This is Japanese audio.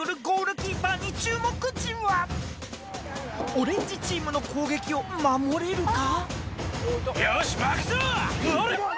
オレンジチームの攻撃を守れるか？